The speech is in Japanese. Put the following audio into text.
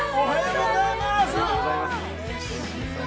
おはようございます。